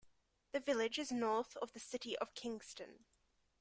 The village is north of the City of Kingston.